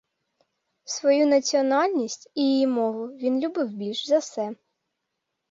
Свою національність і її мову він любив більш за все.